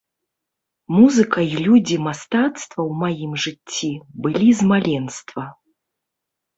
Музыка і людзі мастацтва ў маім жыцці былі з маленства.